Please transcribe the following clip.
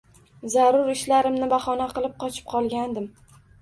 Zarur ishlarimni bahona qilib, qochib qolgandim